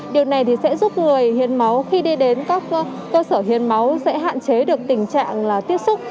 điều này sẽ giúp người hiến máu khi đi đến các cơ sở hiến máu sẽ hạn chế được tình trạng tiếp xúc